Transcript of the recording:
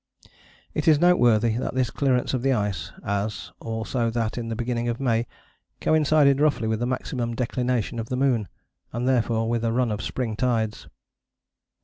" It is noteworthy that this clearance of the ice, as also that in the beginning of May, coincided roughly with the maximum declination of the moon, and therefore with a run of spring tides.